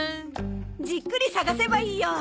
じっくり探せばいいよ。